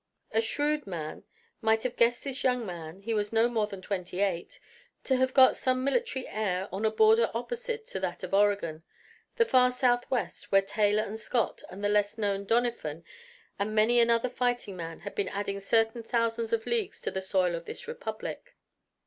A shrewed man might have guessed this young man he was no more than twenty eight to have got some military air on a border opposite to that of Oregon; the far Southwest, where Taylor and Scott and the less known Doniphan and many another fighting man had been adding certain thousands of leagues to the soil of this republic.